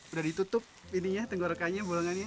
udah ditutup ini ya tenggorokannya bolongannya